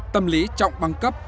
tâm lý trọng băng cấp